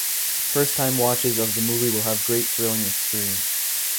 First time watches of the movie will have great thrilling experience.